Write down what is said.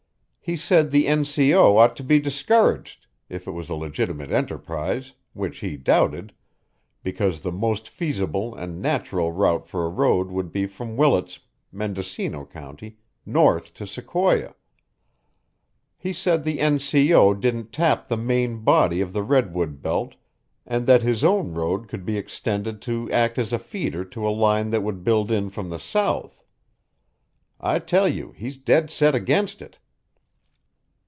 He said the N. C. O. ought to be discouraged, if it was a legitimate enterprise, which he doubted, because the most feasible and natural route for a road would be from Willits, Mendocino County, north to Sequoia. He said the N. C. O. didn't tap the main body of the redwood belt and that his own road could be extended to act as a feeder to a line that would build in from the south. I tell you he's dead set against it."